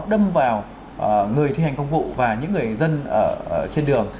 đâm vào người thi hành công vụ và những người dân ở trên đường